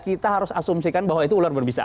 kita harus asumsikan bahwa itu ular berbisa